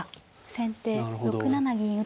先手６七銀打。